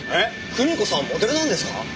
くみ子さんモデルなんですか？